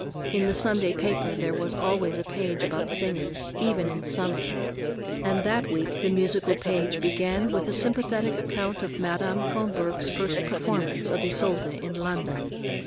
In the Sunday paper there was always a page about singers, even in summer, and that week the musical page began with a sympathetic account of Madame Kronborg's first performance of Isolde in London.